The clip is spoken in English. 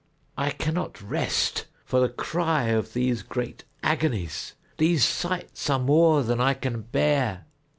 I cannot rest for the cry of these great agonies. These sights are more than I can bear.